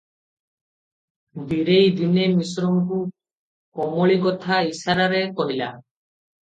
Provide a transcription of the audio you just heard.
ବୀରେଇ ଦିନେ ମିଶ୍ରଙ୍କୁ କମଳୀ କଥା ଇଶାରାରେ କହିଲା ।